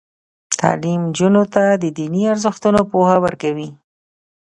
تعلیم نجونو ته د دیني ارزښتونو پوهه ورکوي.